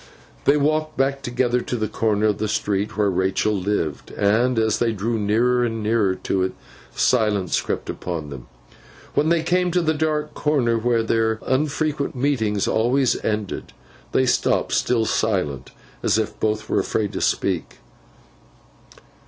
They walked back together to the corner of the street where Rachael lived, and as they drew nearer and nearer to it, silence crept upon them. When they came to the dark corner where their unfrequent meetings always ended, they stopped, still silent, as if both were afraid to speak.